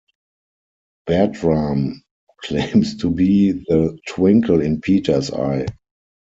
Bertram claims to be the twinkle in Peter's eye.